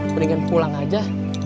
mendingan pulang aja